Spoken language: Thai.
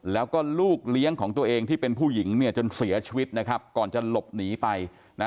แล้วก็ลูกเลี้ยงของตัวเองที่เป็นผู้หญิงเนี่ยจนเสียชีวิตนะครับก่อนจะหลบหนีไปนะ